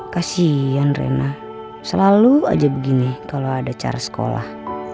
kasian rena selalu aja begini kalau ada cara sekolah